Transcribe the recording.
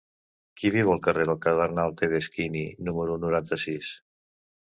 Qui viu al carrer del Cardenal Tedeschini número noranta-sis?